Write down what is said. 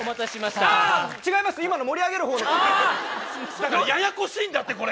だからややこしいんだってこれ！